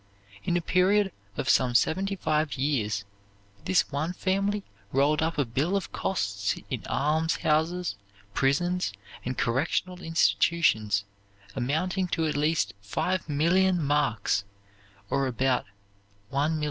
In a period of some seventy five years, this one family rolled up a bill of costs in almshouses, prisons, and correctional institutions amounting to at least 5,000,000 marks, or about $1,250,000.